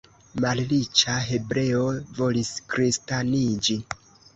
Malriĉa hebreo volis kristaniĝi.